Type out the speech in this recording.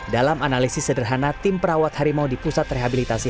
dalam analisis sederhana tim perawat harimau di pusat rehabilitasi